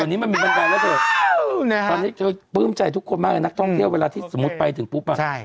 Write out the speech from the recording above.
ตอนนี้มันมีบันไดแล้วเถอะตอนนี้เธอปลื้มใจทุกคนมากนะนักท่องเที่ยวเวลาที่สมมุติไปถึงปุ๊บอ่ะ